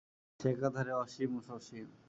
সে একাধারে অসীম ও সসীম।